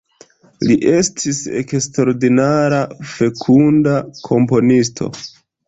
Li estis eksterordinare fekunda komponisto.